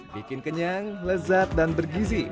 bikin kenyang lezat dan bergizi